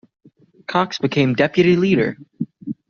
Cox became deputy leader.